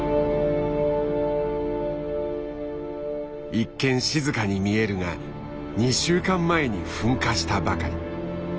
一見静かに見えるが２週間前に噴火したばかり。